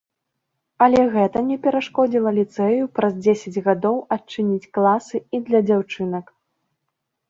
Але гэта не перашкодзіла ліцэю, праз дзесяць гадоў, адчыніць класы і для дзяўчынак.